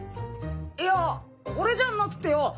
いや俺じゃなくってよ